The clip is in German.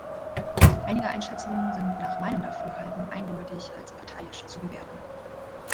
Einige Einschätzungen sind nach meinem Dafürhalten eindeutig als parteiisch zu bewerten.